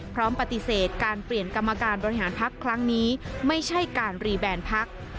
พร้อมปฏิเสธการเปลี่ยนกรรมการบริหารพักครั้งนี้ไม่ใช่การรีแบนพัก